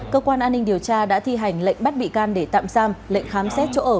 cơ quan an ninh điều tra đã thi hành lệnh bắt bị can để tạm giam lệnh khám xét chỗ ở